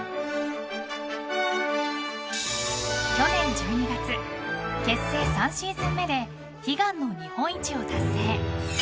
去年１２月、結成３シーズン目で悲願の日本一を達成。